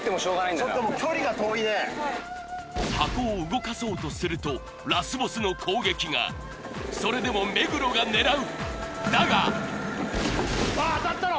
ちょっと距離が遠いね箱を動かそうとするとラスボスの攻撃がそれでも目黒が狙うだがうわっ当たったろ！